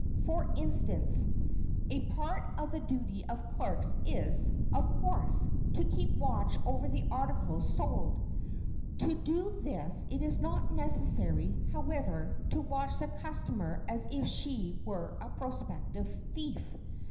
For instance, a part of the duty of clerks is, of course, to keep watch over the articles sold. To do this it is not necessary, however, to watch the customer as if she were a prospective thief.